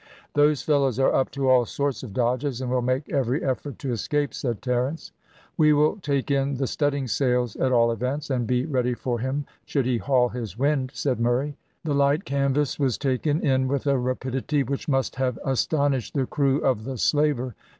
"Those fellows are up to all sorts of dodges, and will make every effort to escape," said Terence. "We will take in the studding sails at all events, and be ready for him should he haul his wind," said Murray. The light canvas was taken in with a rapidity, which must have astonished the crew of the slaver.